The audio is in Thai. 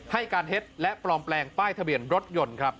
ให้การเท็จและปลอมแปลงป้ายทะเบียนรถยนต์ครับ